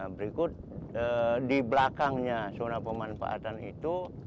berikut di belakangnya zona pemanfaatan itu